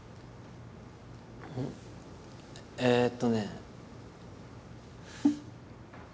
えっとね。